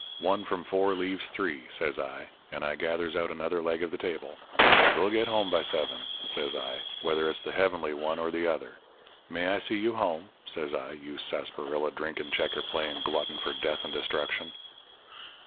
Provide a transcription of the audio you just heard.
One from four leaves three,' says I, and I gathers out another leg of the table. 'We'll get home by seven,' says I, 'whether it's the heavenly one or the other. May I see you home?' says I, 'you sarsaparilla drinking, checker playing glutton for death and destruction.'